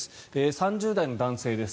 ３０代の男性です。